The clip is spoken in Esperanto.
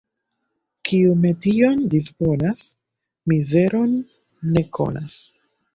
Kiu metion disponas, mizeron ne konas.